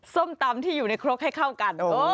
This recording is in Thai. ส้มตำที่อยู่ในครกให้เข้ากัน